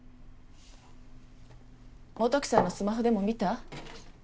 基樹さんのスマホでも見た？